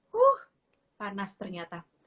huh panas ternyata